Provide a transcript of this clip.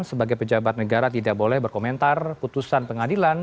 sebagai pejabat negara tidak boleh berkomentar putusan pengadilan